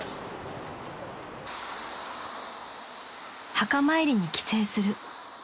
［墓参りに帰省する］